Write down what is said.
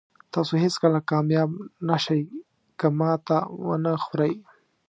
تاسو هېڅکله کامیاب نه شئ که ماتې ونه خورئ.